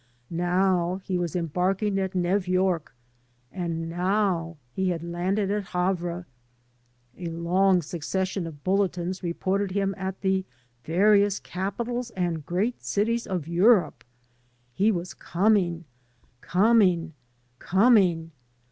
Now he was embarking at Nev York, and now he had landed at Havre. A long succession of bulletins reported him at the various capitals and great cities of Europe. He was coming, coming, coming.